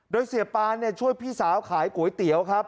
โดยเสียปานช่วยพี่สาวขายก๋วยเตี๋ยวครับ